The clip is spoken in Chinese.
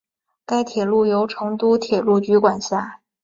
该铁路由成都铁路局管辖。